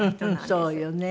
そうよね。